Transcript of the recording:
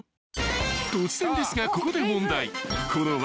突然ですがここで問題！